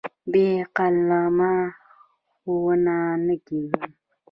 بې قلمه ښوونه نه کېږي.